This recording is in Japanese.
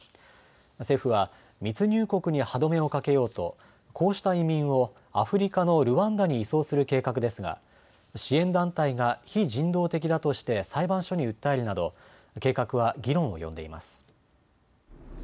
政府は密入国に歯止めをかけようとこうした移民をアフリカのルワンダに移送する計画ですが支援団体が非人道的だとして裁判所に訴えるなど計画は議論を呼んでいます。